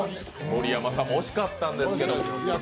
盛山さんも惜しかったんですけど。